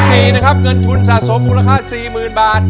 เพลงนะครับเงินทุนสะสมมูลค่า๔๐๐๐บาท